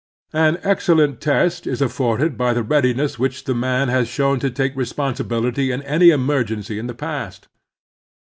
An excellent test is afforded by the readiness which the man has shown to take responsibility in any emergency in the past.